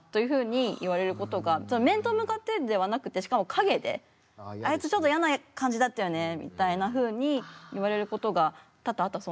面と向かってではなくてしかも陰であいつちょっと嫌な感じだったよねみたいなふうに言われることが多々あったそうなんですね。